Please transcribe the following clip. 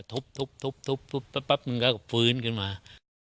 ทุบปรับฟื้นขึ้นมา